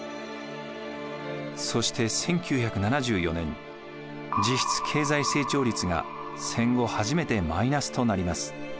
そして１９７４年実質経済成長率が戦後初めてマイナスとなります。